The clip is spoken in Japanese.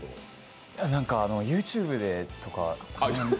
何かＹｏｕＴｕｂｅでとか。